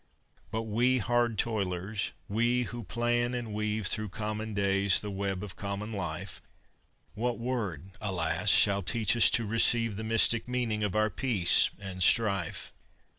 But we, hard toilers, we who plan and weave Through common days the web of common life, What word, alas! shall teach us to receive The mystic meaning of our peace and strife?